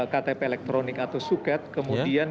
ktp elektronik atau suket kemudian